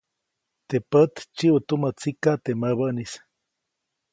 Teʼ pät dsyiʼu tumä tsikaʼ, teʼ mäbäʼnis.